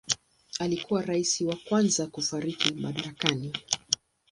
Alikuwa rais wa kwanza kufariki madarakani.